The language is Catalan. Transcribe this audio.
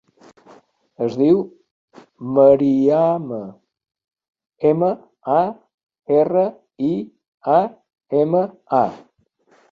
Es diu Mariama: ema, a, erra, i, a, ema, a.